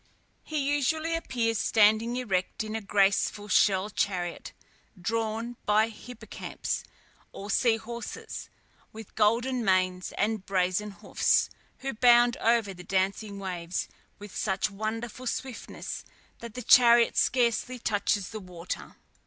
He usually appears standing erect in a graceful shell chariot, drawn by hippocamps, or sea horses, with golden manes and brazen hoofs, who bound over the dancing waves with such wonderful swiftness, that the chariot scarcely touches the water.